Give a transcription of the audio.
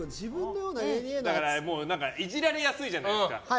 だからイジられやすいじゃないですか。